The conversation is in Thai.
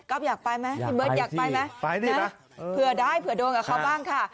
อยากไปไหมพี่เบิร์ตอยากไปไหมไปดิเผื่อได้เผื่อโดนกับเขาบ้างค่ะ